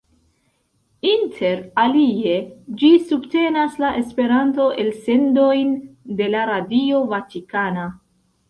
Inter alie ĝi subtenas la Esperanto-elsendojn de la Radio Vatikana.